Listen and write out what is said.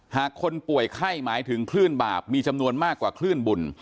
คนป่วยไข้หมายถึงคลื่นบาปมีจำนวนมากกว่าคลื่นบุญ